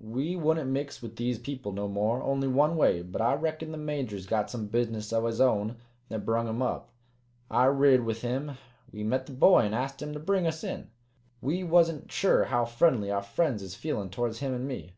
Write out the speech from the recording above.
We wouldn't mix with these people no more only one way but I reckon the Major's got some business o' his own that brung him up. I rid with him. We met the boy an' ast him to bring us in. We wasn't sure how friendly our friends is feelin' towards him an' me."